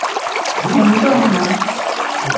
黄仲涵。